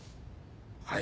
はい。